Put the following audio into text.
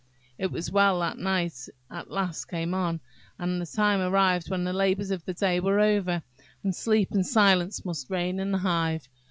It was well that night at last came on, and the time arrived when the labours of the day were over, and sleep and silence must reign in the hive.